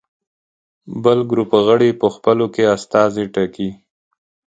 بل ګروپ غړي په خپلو کې استازي ټاکي.